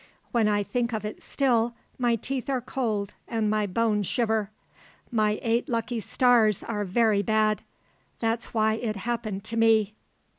"When I think of it still, my teeth are cold and my bones shiver. My Eight Lucky Stars are very bad, that's why it happened to me."